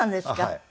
はい。